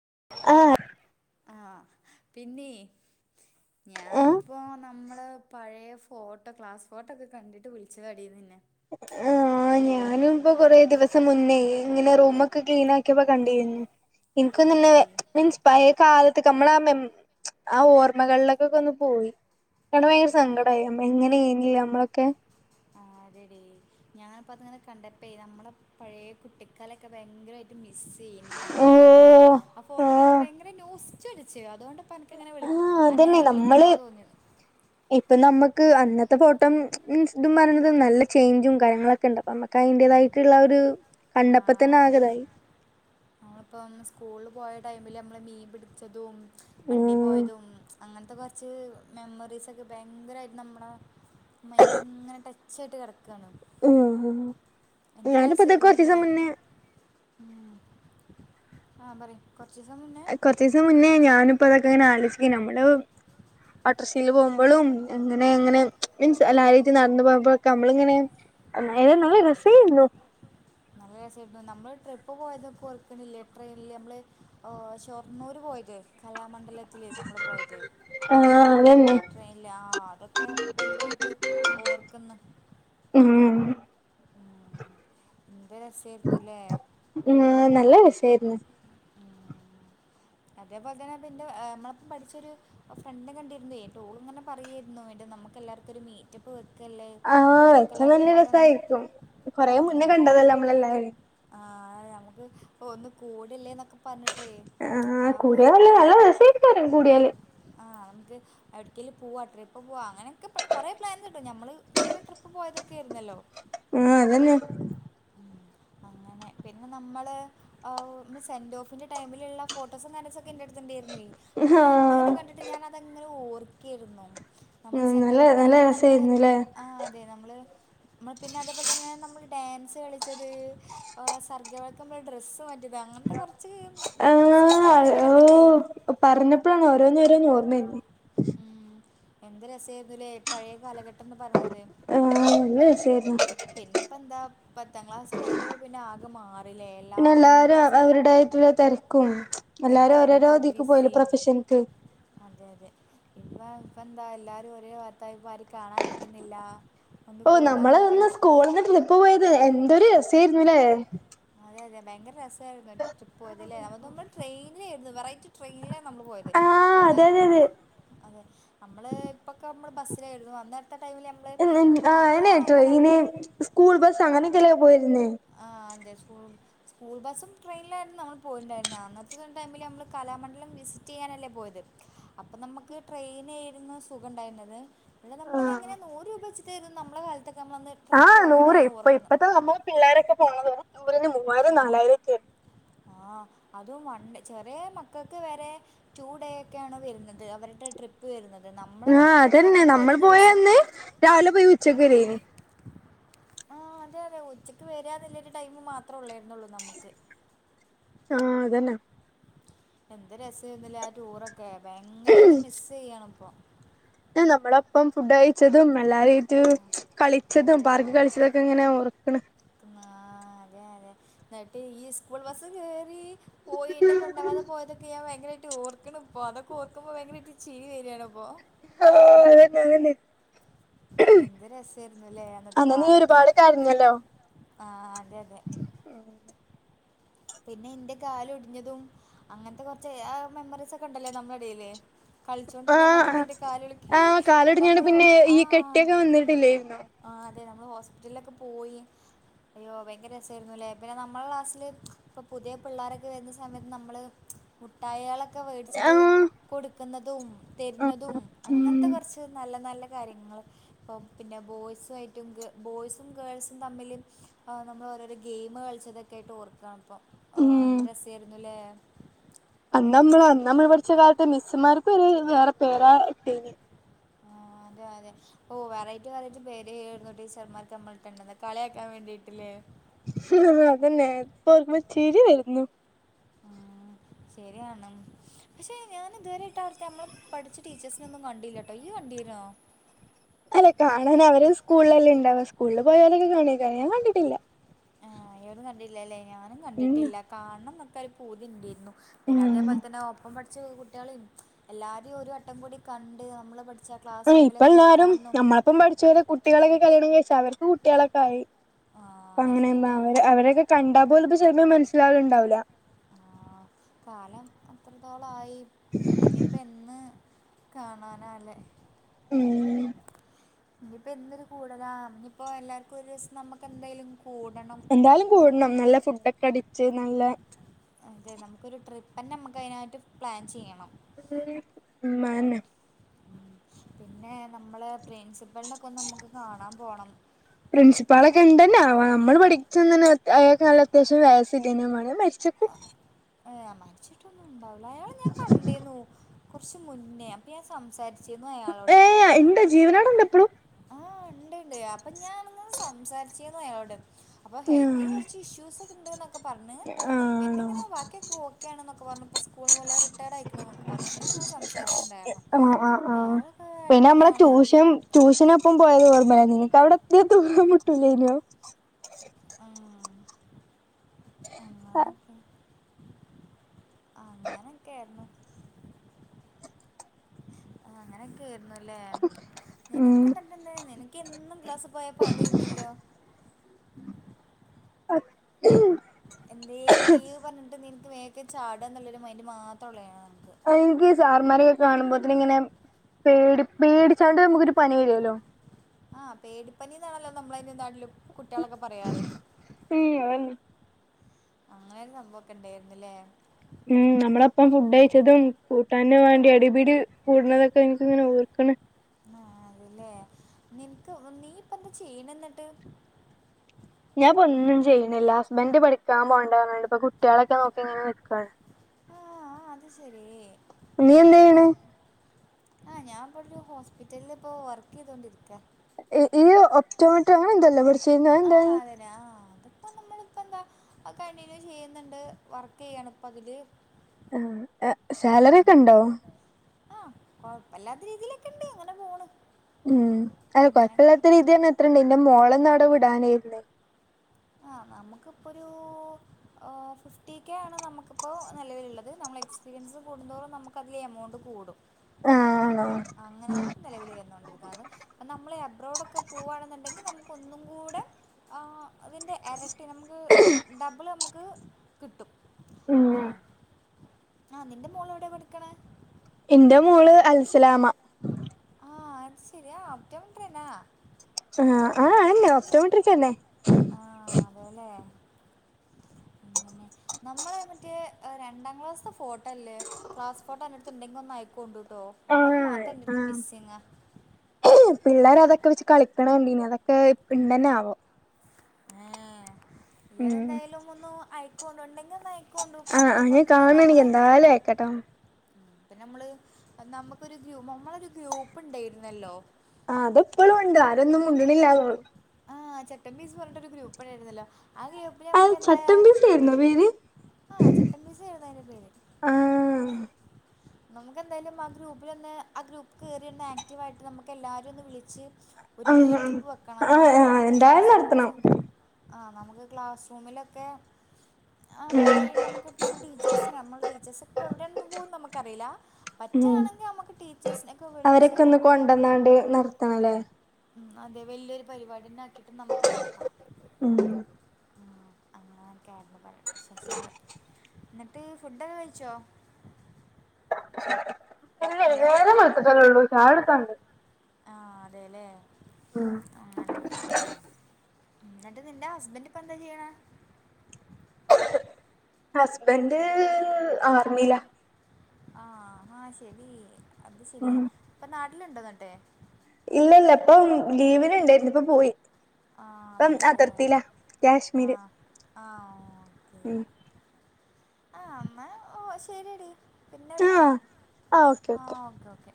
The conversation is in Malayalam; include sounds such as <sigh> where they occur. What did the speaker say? <unintelligible> ആ പിന്നെ ഞാനിപ്പോ നമ്മുടെ പഴയ ഫോട്ടോ ക്ലാസ് ഫോട്ടോ ഒക്കെ കണ്ടിട്ട് വിളിച്ചതാടി നിന്നെ- ആ ഞാനും ഇപ്പൊ കൊറേ ദിവസം മുന്നേ- അങ്ങനെ റൂം ഒക്കെ ക്ലീൻ ആക്ക് - ക്ക്പ്പോ കണ്ടേയിന്- എനിക്ക് നിന്നെ ആടി മീൻസ് പഴയ- കാലത്ത നമ്മള ആ മെമ്മ ആ ഓർമ്മകളിലൊക്കൊക്കെ ഒന്ന് പോയി അപ്പോ ഭയങ്കര സങ്കടമായി നമ്മ എങ്ങനെ ആയിരുന്നൂല്ലേ നമ്മളൊക്കെ- ആഹ് അതെടി ഞാനിപ്പോ അത് അങ്ങനെ കണ്ടട്ടേ നമ്മളെ പഴയ കുട്ടിക്കാലെക്കെ ഭയങ്കരമായിട്ട് മിസ്സ്- പിന്നെ നമ്മൾ പോലെ- ഓഹ് ആ ഫോട്ടോ ഒക്കെ ആഹ് ഭയങ്കര നൊസ്റ്റു അടിച്ചു അതുകൊണ്ടപന്ക്ക് ഇങ്ങനെ വിളിക്ക ആ അത് ന്നെ നമ്മള് ഇപ്പൊ നമ്മുക്ക് അന്നത്തെ ഫോട്ടം- മീൻസ് ഇതും പറയുന്നത് നല്ല ചേഞ്ചും കാര്യങ്ങളൊക്കെ ഉണ്ട് അപ്പ നമ്മക്ക് ആഹ് അതിന്റേതായിട്ടുള്ള ഒരു കണ്ടപ്പ ആഹ് തന്നെ അതെ ആകെതായി- നമ്മളിപ്പം സ്കൂളിൽ പോയ ടൈമിൽ നമ്മൾ മീൻ പിടിച്ചതും- വണ്ടി ആഹ് പോയതും അങ്ങനെ- അത്തെ കൊറച്ച് മെമ്മറീസൊക്കെ ഭയങ്കരമായിട്ട് നമ്മുടെ മൈൻഡിൽങ്ങനെ ടച്ചായിട്ട് കെടക്ക്യാണ്- മ് ആഹ് ഹാ- ഞാനിപ്പോതൊക്കെ രസമായിരുന്നു അല്ലേ കുറച്ചീസം മുന്നേ ആ പറയ് കൊറച്ചീസം കൊറച്ചീസം മുന്നേ ഞാനിപ്പോ അതൊക്കെ ഇങ്ങനെ ആലോചിക്കേനു നമ്മള് ഓട്ടോർക്ഷീൽ പോകുമ്പോഴും എങ്ങനെ' അങ്ങനെ മീൻസ് എല്ലാരേറ്റ് നടന്ന് പോകുമ്പോക്കെ നമ്മള് ഇങ്ങനെ എന്തായാലും നല്ല രസയ്ന്നു. നല്ല രസായിരുന്നു നമ്മൾ ട്രിപ്പ് പോയതൊക്കെ ഓർക്കണ്ടില്ലേ ട്രെയിനിൽ നമ്മൾ ഷൊർണ്ണൂർ പോയത് കലാ മണ്ഡലത്തില് നമ്മള് പോയത് ആ അതന്നെ ട്രെയിനില് ആ അതൊക്കെ ഭയങ്കരായിട്ട് ഓർക്കുന്നു ഉം എന്ത് രസായിരുന്ന്ല്ലേ നല്ല രസായിര്ന്ന്. അതേപോലെ തന്നെ പിന്നെ നമ്മളോടൊപ്പം പഠിച്ചൊരു ഫ്രണ്ട് കണ്ടിരുന്നേ ന്നട്ട് ഓൾ ഇങ്ങനെ പറയേയ്ര്ന്നു എടീ നമുക്ക് എല്ലാർക്കും ഒരു മീറ്റപ്പ് വെ ക്കല്ലേ ആ നമുക്ക് വെച്ചാ നല്ല എല്ലാർക്കും പാടൊന്ന് രസായിരിക്കും കൊറേ മുന്നേ അതെ കണ്ടതല്ലേ നമ്മളെല്ലാരും ആ നമുക്ക് അ ഒന്ന് കൂടില്ലേ എന്നൊക്കെ പറഞ്ഞിട്ട് ആഹ് കൂടിയാൽ നല്ല നല്ല രസയ്ക്കാരം കൂടിയാല് എവിട്ക്കേലും പോവ ട്രിപ്പ് പോവാ അങ്ങനക്കെ കൊറെ പ്ലാൻ കിട്ടും ഞമ്മള് അങ്ങനെ ട്രിപ്പ് പോയതൊക്കെയിരുന്നല്ലോ ആഹ് അതന്നെ അങ്ങനെ പിന്നെ നമ്മള് അവ് സെന്റ് ഓഫിന്റെ ടൈമിലുള്ള ഫോട്ടോസും <unintelligible> ഒക്കെ ഇന്റടുത്ത് ഉണ്ടായിരുന്നെയ് അപ്പൊ ആ ഞാൻ ഇത്ങ്ങനെ കണ്ടിട്ട് ഞാനതങ്ങനെ ഓർ ക്കായിരുന്നു നമ്മള് നല്ല സെന്റോഫിന്റെ നല്ല ടൈമില് നമ്മള് രസായിരുന്നുല്ലേ ആ അതെ നമ്മള് നമ്മള് പിന്നെ അതേപോലെ തന്നെ നമ്മൾ ഡാൻസ് കളിച്ചത് ഏഹ് സർഗ വേളക്ക് നമ്മള് ഡ്രെസ്സ് റ്റത് അങ്ങനത്തെ കൊറച്ച് മെമ്മറീസ് ആ ഇങ്ങനെ മൈൻഡിൽ കിടന്നിട്ടേ ഓഹ് പറഞ്ഞപ്പളാണ് ഓരോന്ന് ഓരോന്ന് ഓർമ്മ വരുന്നെ ഉം എന്ത് രസേയിര്ന്ന്ലേ പഴേ കാലഘട്ടം ന്ന് പറഞ്ഞത് ആ നല്ല രസായിരുന്നു പിന്നെപ്പം എന്താ പത്താം ക്ലാസ് കഴിഞ്ഞ പിന്നെ ആകെ മാറി പിന്നെ എല്ലാരും അവര്ടേയിട്ട്ള്ള തെരക്കും തെരക്കും ഫുൾ ബിസിം അതെ അതെ ഇപ്പ ഇഫെന്താ എല്ലാരും ഒരേ വാത്തായ് ഇപ്പാരിം കാണാൻ കിട്ട്ന്നില്ല ഓ നമ്മള ഇന്ന് സ്കൂളിന്ന് ട്രിപ്പ് പോയത് എന്തൊരു രസേ ഇലേ അതെയതെ ഭയങ്കരെ രസ ട്രിപ്പ് പോയത് ല്ലെ നമ്മള് ട്രെയിനിലേര്ന്നു വെറൈറ്റി ട്രെയിനിലേ നമ്മള് പോയത് ആഹ് അതെ സധാര്ന്നെ അതെ ഇപ്പ നമ്മള് അതെ അമ്മള് ഇപ്പൊക്കെ അമ്മൾ ബസ്സിലെഴുതും അന്ന ആഹ് അയ്നെ ട്ടോ ഇനി കലാമണ്ഡലം സ്കൂൾ ബസ് അങ്ങനൊക്കെല്ല പോയി ആഹ് അതെ ഫുൾ സ്കൂൾ ബസ്സും ട്രെയിനിലായിര്ന്നു നമ്മൾ പോയിട്ടുണ്ടായിര്ന്നെ അന്നത്തെ ടൈമിൽ നമ്മൾ കലാമണ്ഡലം വിസിറ്റ് ചെയ്യാനല്ലേ പോയത് അപ്പം നമക്ക് ട്രെയിന് ഇരുന്ന് സുഖം ഇണ്ടായിണ്ടാ <unintelligible> ല പിന്നെ നമ്മളത് ആഹ് എങ്ങനെ നൂറു രൂപ വെച്ചി ത്തിരു നമ്മടെ കാലത്തെ ആഹ് നൂറ് ഇപ്പ ഇപ്പത്തെ അമ്മ പിള്ളോരൊക്കെ പോണത് ടൂറിന് മൂവായിരം നാലായിരം ഒക്കെ ആഹ് അതും വൺ ചെറിയ മക്കൾക്ക് വരെ ടു ഡേ ഒക്കെയ ആണ് വരുന്നത് അവരുടെ ട്രിപ്പ് വരുന്നത് നമ്മളെ ആ കാലത്തൊക്കെ അതന്നെ നമുക്ക് നമ്മൾ ഒരു ദിവസം പോയന്ന് രാവിലെ പോയി ഉച്ച ക്ക് വരെയ്നീ ആ അതെ അതെ ഉച്ചക്ക് വരിതല്ലരു ടൈം മാത്രേ ഉള്ളായിരുന്നുള്ളു നമ്മുക്ക് ആഹ അതന്നെ എന്ത രസംൊന്നില്ല ആ ടൂറൊക്കെ ഓക്കെ ഭയങ്കരമായിട്ട് മിസ്സ് ചെയ്യണം പ്പ നമ്മളൊപ്പം ഫുഡ് കഴിച്ചതും എല്ലാവരുംു കളിച്ചതും പാർക്ക് കളിച്ചതൊക്കെ ഇങ്ങനെ റർക്കണ് എന്നട്ട് ഈ സ്കൂൾ ബസ്സ വേറി പോയി് കൊണ്ടാവാാെ പോയതക്കെ ാ ഭയങ്കര ഓർക്കണ ഇപ്പോ അതൊക്കെ ഓക്കുമ്പോ ഭയരമായിട്ട് ചിരി വരിയണപ്പോൊ ആ അതന്ന അരന്ന എന്ത് രസായിരുന്നുല്ലേ അന്നത്തെ നീ കാലൊക്കെ ഒരുപാട് കരഞ്ഞല്ലോ ആ അതത് പിന്നെ എന്റെ കാാല ഒടിഞ്ഞതും അങ്ങനത്തെ കുറച്ച് മെമ്മറീസ് ഒക്കെ ഉണ്ടല്ലേ നമ്മുടെ ഇടയില് കളിച്ചോണ്ടിരുന്ന ആഹ് സമയത്തിന്റെ കാലക്ക് ആഹ് കാലൊടിഞ്ഞാണ്ട് നമ്മള് പിന്നെ ഈ ആഹ കെട്ടിയൊക്കെ വന്നിട്ടില്ലേരുന്നോ ആ അത നമ്മൾ ഹോസ്പിറ്റലിലൊക്കെ പോയി അയ്യോ ഭയങ്കര രസമായിരുന്നു അല്ലെ പിന്നെ നമ്മളെ ക്ലാസ്സിില് ഇപ്പൊ പുതിയ പിള്ളോരൊക്കെ വരുന്ന സമയത്ത് നമ്മള് മുട്ടായയാളൊ ഒക്കെ മേടിച്ചിട്ട് ആഹ് കൊടുക്ക കന്നതും തരഞ്ഞതും അങ്ങനത്തെ കുറച്ച് നല്ല നല്ല കാര്യങ്ങൾ ഇപ്പം പിന്നെ ബോയ്സു ആമായിട്ടും ബോയ്സും ഗേൾസും തമ്മിൽ നമ്മൾ ഓരോരോ ഗെയിം് കളിച്ചതൊക്കെയ ആയിട്ട് ഓർക്കണം അപ്പോൾഓ അന്തരസ ആയിരുന്നുല്ലേ അന്ന് നമ്മള് അന്ന് നമ്മൾ പഠിച്ച കാലത്തെ മിസ്സുമാർക്കും ഒരു വേറെ പേരാ എത്തേ അതെ അതെഓ വെറൈറ്റി വെറൈറ്റി പേര്രുന്നു ടീച്ചർമാർക്ക് നമ്മളിട്ടുണ്ട കളിയാക്കാൻ വേണ്ടിയിട്ടില്ലേ അതന്നെ ആ പർമ ചിരി വരുന്നു ഉം ശരിയാണ് പക്ഷെ ഞാൻ ഇതുവരെട്ട് അവിടുത്തെ നമ്മളെ പഠിച്ച ടീച്ചേഴ്സിന ഒന്നും കണ്ടില്ലട്ടോ ഈ കണ്ടിരുന്നോ <inaudible> അല്ല കാണാൻ അവര് സ്കൂളിലല്ലാം ഉണ്ടാവ സ്കൂളിൽ പോയവാലൊക്കെ കാണാര ഞാൻ കണ്ടിട്ടില്ല ആഹ് രും കണ്ടില്ലല്ലേ ഞാനും ഉം കണ്ടിട്ടില്ല കാാരണം പരി പൂതി ഉണ്ടിരുന്നു പിന്നെ ഉം അതേപോലെ തന്നെ ഒപ്പംഠ കു കുട്ടികളെയും എല്ലാരെയും ഒരു അട്ടം കൂടി കണ്ട് നമ്മള്ഠ അ ഇപ്പ എല്ലാരും നമ്മളിപ്പം പഠിച്ച പോരെ കുട്ടികളൊക്കെ കല്ിയണം കഴിച്ചാ അവർക്ക്ട്ട തിളക്കായി അപ്പൊ ആഹ് അങ്ങനെ അവ ശരിയാണ് അവരൊക്കെ കണ്ടാ പോോല ഇ ചെ മന എല്ലാവും ഉണ്ടാവില്ല ആ കാലം അത്രത്തോളം ബായി ഇനിപ്പ എന്ന് കാണാനാല്ലേ ഉം ഇനിയിപ്പോ എന്നൊരു കൂടതാ ഇനിപ്പോ എല്ലാർക്കും ഒരു ദിവസം നമ്മുക്ക് എന്തായാലും കൂടണം എന്തായാലും ആ, കൂടണം നല്ല ഫുഡൊക്കെ അടി ച്ച് നല്ല അതെ നമുക്കൊരു ട്രിപ്പന്നെ നമുക്കതിനായിട്ട് പ്ലാൻ ചെയ്യണം മ അഅന്നെ പിന്നെ നമ്മള് പ്രിൻസിപ്പളിനൊക്കെ ഒന്ന് നമുക്ക് കാണാം പോണം പ്രിൻസിപ്പാളൊക്കെ ഇണ്ടെന്നാവോ അമ്മള് പഠിച്ചെ അയാക്ക് നല്ല അത്യാവശ്യം വയസ്സില്ലേനിയോ വേണേ മരിച്ച് <unintelligible> ഏഹ് മരിച്ചിട്ടൊന്നും ഇണ്ടാവ അയാളെ ഞാൻ കണ്ടേയിന്നു കുറച്ച് മുന്നേ അപ്പം ഞാൻ സംസാരിച്ച് ഏ ഇണ്ട് ജീവനോടെ ഉണ്ടോ ഇപ്പളും? ആ ഉണ്ട് ഉണ്ട് അപ്പം ഞാനന്ന് സംസാരിച്ചരുന്നു അയാളോട് അപ്പൊ ഹെൽത്തിന് ആഹ് കൊറച്ച് ഇഷ്യൂസ് ഒക്കെ ഇണ്ട് ന്നൊക്കെ പറഞ്ഞ് പിന്നെ ആണോ എങ്ങനെ ബാക്കിയക്കെ ഓക്കെയാണ്ന്നൊക്കെ വന്നപ്പോ സ്കൂള് <unintelligible> റിട്ടയഡ് ആയി <unintelligible> പറഞ്ഞിട്ട് സംസാരിച്ച്ണ്ടായിരുന്നു ആഹ് ആഹ് ആഹ് അയാളൊക്കെ അടിപൊളിയാണ് ! ! ! ! ! ! ! ! ! ! ഉം അങ്ങനൊക്കെ അങ്ങനൊക്കെ ആയിരുന്നു ആ അങ്ങനൊക്കെ ആയിരുന്നു ഏഹ് നിനക്ക്ന്ന്ട്ടെന്താ നിനക്ക് എന്നും ക്ലാസ്സ് പോയാ പനിയേനിയല്ലോ ഉം എന്തേലും ലീവ് പറഞ്ഞിട്ട് നീ ഇത് മേക്കെ ചാടുകന്നൊള്ളൊരു മൈൻ്റ് മാത്രള്ളു <unintelligible> ആ എനിക്ക് സാറുമാരെയൊക്കെ കാണുമ്പോത്തന്നെ ഇങ്ങനെ പേടി പേടിച്ചാണ്ട് നമുക്കൊരു പനി വരുവല്ലോ. ആഹ് പേടിപ്പനിന്നാണല്ലോ നമ്മളതിനെ നാട്ടില് കുട്ടികളൊക്കെ പറയാറ്. ഉം അതന്നെ അങ്ങനൊരു സംഭവൊക്കെ ഇണ്ടായിരുന്നില്ലേ? ഉം നമ്മള അപ്പം ഫുഡ് അയച്ചതും കൂട്ടാന്ന് വേണ്ടി അടിപിടി കൂടുന്നതൊക്കെ എനക്ക് ഇങ്ങനെ ഓർക്കണ്. ആ അത് ഇല്ലേ നിനക്ക് നീ ഇപ്പ എന്താ ചെയ്യിണേ? എന്നിട്ട് ഞാൻ ഇപ്പൊ ഒന്നും ചെയ്യണില്ല. ഹസ്ബൻ്റ് പഠിക്കാൻ പോണണ്ട് ന്ന് പറഞ്ഞിട്ട് ഇപ്പൊ കുട്ടികളൊക്കെ നോക്കി ഇങ്ങനെ നിക്കാഹ് എന്ന് ആഹ് അത് ശരി പുള്ളി എന്ത് ചെയ്യണ്? ആഹ ഞാൻ ഇപ്പ ഇവടൊരു ഹോസ്പിറ്റലിൽ ഇപ്പോ വർക്ക് ചെയ്തോണ്ടിരിക്കാ <unintelligible> ടോ മെട്രിയോ അങ്ങനെ എന്തോ അല്ലെ പഠിച്ചിരുന്നേ അയ് എന്തായി ഇപ്പം നമ്മളിപ്പോ എന്താ അയ് കണ്ടിന്യൂ ചെയ്യ്ന്ന്ണ്ട് വർക്ക് ചെയ്യാണ് ഇപ്പം അതിൽ ആ എ സാലറി ഒക്കെ ഇണ്ടോ? ആ കൊഴപ്പ ഇല്ലാത്ത രീതിയിൽ ഒക്കെ ഇണ്ട് അങ്ങനെ പോണ്. ഉം അല്ല കൊഴപ്പ അങ്ങനെയൊക്കെ ഇല്ലാത്ത രീതി പർണാ എത്ര ഇണ്ട് ഇന്റെ മോളെ ഒന്ന് അയു വിടാനായിര്ന്ന് ആ നമുക്ക് ഇപ്പൊ ഒരു ഏ ഫിഫ്റ്റി കെ ആണ് നമുക്കിപ്പോ നിലവിൽ ഇള്ളത്. നമ്മളെ എക്സ്പീരിയൻസ് കൂടുന്തോറും നമുക്ക് അതിൽ എമൗണ്ട് കൂടും. ആഹ് ആണോ അങ്ങനെയാണ് നെലവില് വന്നോണ്ടിരിക്ക്ണത്. അത് നമ്മളെ റോഡൊക്കെ പൂവാന്ന്ണ്ടെങ്കിൽ നമുക്ക് ഒന്നും കൂടെ ആ അതിന്റെ എരട്ടി നമുക്ക് ഡബിൾ നമുക്ക് കിട്ടും. ഉം അങ്ങനെയാണ് ആ നിന്റെ മോള് എവിടെ പഠിക്ക്ണേ? എന്റെ മോള് അൽസലാമ. ആ അത് ശരി അ ഒപ്റ്റോമെട്രിയെന്നാ ആ ആ അയെന്നെ ഒപ്റ്റോമെട്രിക്കെന്നെ ആ അതെ അല്ലേ നമ്മളെ മറ്റേ രണ്ടാം ക്ലാസ്സ്ത്തെ ഫോട്ടോ അല്ലേ ക്ലാസ് ഫോട്ടോ അന്റെ അട്ത്ത് ഇണ്ടെങ്കി ഒന്ന് അയക്കോണ്ടു ട്ടോ അത് ആഹ് മാത്ര ആഹ് മിസ്സിംങാ പിള്ളേർ അതൊക്കെ വെച്ച് കളിക്ക്ണെ കണ്ടിനി അതൊക്കെ ഇപ്പം ഇണ്ടെന്നെ ആവോ? ഇങ്ങനെ എന്തായാലും ഒന്നു ഐ കുടെ ഉണ്ടെങ്കിൽ ഒന്ന് അയക്കൊണ്ട് ആ പിന്നെ അതേപോലെ ഞാൻ തന്നെ കാണാണെങ്കി എന്തായാലും അയക്കട്ടോ ഇപ്പ നമ്മള് നമ്മക്കൊര് ഗ്രൂ നമ്മളെ ഒരു ഗ്രൂപ്പ് ഇണ്ടെയിര്ന്നെല്ലോ? ആ അത് ഇപ്പളും ഇണ്ട് ആരൊന്നും മുണ്ട്ണില്ലനൊള്ളൂ. ആ ചട്ടമ്പീസ് പറഞ്ഞ്ട്ടൊര് ഗ്രൂപ്പ് ഇണ്ടായിര്ന്നല്ലോ? അത് ചട്ടമ്പിസെയിരുന്നേ പേര്? ആ ചട്ടമ്പിസെയെയിര്ന്നു അയിന്റെ പേര്. ആഹ് നമുക്കെന്തായാലും ആ ഗ്രൂപ്പിലൊന്ന് ആ ഗ്രൂപ്പ് കേറി ഒന്ന് ആക്റ്റീവായിട്ട് നമുക്ക് എല്ലാരിം ഒന്ന് വിളിച്ച് ഒര് ആഹ് മീറ്റപ്പ് വെക്കണം ആഹ് നമ്മൾ ആഹ് പഠിച്ച ക്ലാസ് എന്തായാലും നടത്തണം റൂംസ് ആ നമുക്ക് ക്ലാസ് റൂമിലൊക്കെ ആ ഉം പോയി നമ്മക്ക് നമ്മളെ ടീച്ചേഴസിനെ നമ്മളെ ടീച്ചേഴ്സ് ഇപ്പോ എവിടെണ്ന്ന് പോലും നമ്മ ക്ക് അറീലാ ഉം പറ്റാണെങ്കിൽ നമ്മക്ക് ടീച്ചേഴ്സിനെ ഒക്കെ വിളിച്ച് അവരൊക്കെ ഒന്ന് കൊണ്ടന്നാണ്ട് നടത്തണല്ലേ അതെ വല്ലിയൊര് പരിപാടിന്നെ ആക്കിട്ട് നമ്മക്ക് നട്ത്തണം. ഉം <unintelligible> <unintelligible> എന്നിട്ട് ഫുഡൊക്കെ കഴിച്ചോ? <unintelligible> ഹലോ നേരം വെളുത്തിട്ട്ല്ലേ ള്ളു ചായ <unintelligible> ആ അതെല്ലേ അങ്ങനെയൊക്കെയാണ് ന്നിട്ട് നിന്റെ ഹസ്ബൻഡ് ഇപ്പൊ എന്താ ചെയ്യ്ണെ ഹസ്ബൻഡ് ആർമിയിലാ ആ ഹ ശെരി അത് ശരിയ ഉം പ്പൊ നാട് ന്ന്ണ്ടോ ന്നട്ട് ഇല്ല ല്ല പ്പം ലീവിന് ണ്ടായിര്ന്നു ഇപ്പം പോയി ആ ഇപ്പം തെല്ലേ അതിർത്തിയിലാ കാശ്മീര് ആഹ് ആ ഓേ ഉം ആ മ്മഓ സെ പിന്നെ വിളിക്കാം ആഹ് ആഹ് ഓക്കെ ആ ഓക്കെ ഓക്കേ ഓക്കെ